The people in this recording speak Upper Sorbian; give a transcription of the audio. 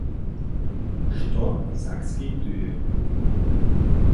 Što Sakskej tyje?